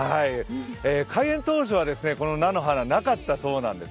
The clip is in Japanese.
開園当初はこの菜の花なかったそうなんです。